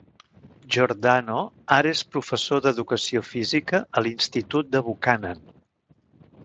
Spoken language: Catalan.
Giordano ara és professor d'educació física a l'institut de Buchanan.